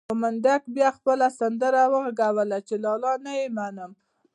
خو منډک بيا خپله سندره وغږوله چې لالا نه يې منم.